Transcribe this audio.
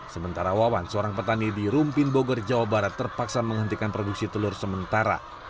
sementara wawan seorang petani di rumpin bogor jawa barat terpaksa menghentikan produksi telur sementara